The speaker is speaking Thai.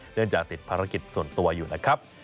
เนื่องจากติดภารกิจส่วนตัวอยู่นะครับ